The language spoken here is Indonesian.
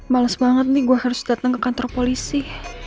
males banget nih gue harus datang ke kantor polisi